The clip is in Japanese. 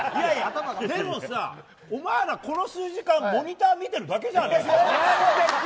でもさ、お前ら、この数時間モニター見てるだけじゃねえか。